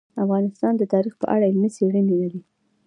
افغانستان د تاریخ په اړه علمي څېړنې لري.